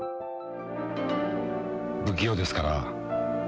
不器用ですから。